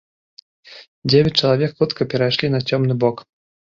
Дзевяць чалавек, хутка перайшлі на цёмны бок.